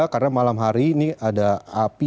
karena malam hari ini ada api